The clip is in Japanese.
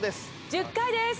１０回です！